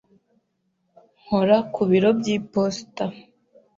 Nkora ku biro by'iposita.